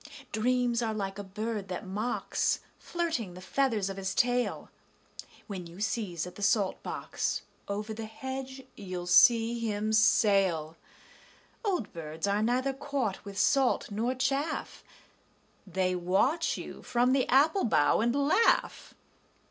Dreams are like a bird that mocks, Flirting the feathers of his tail. When you sieze at the salt box, Over the hedge you'll see him sail. Old birds are neither caught with salt nor chaff: They watch you from the apple bough and laugh.